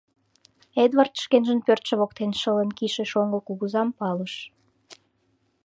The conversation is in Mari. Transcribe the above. Эдвард шкенжын пӧртшӧ воктен шылын кийыше шоҥго кугызам палыш.